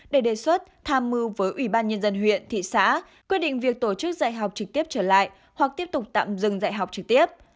để đề xuất tham mưu với ủy ban nhân dân huyện thị xã quyết định việc tổ chức dạy học trực tiếp trở lại hoặc tiếp tục tạm dừng dạy học trực tiếp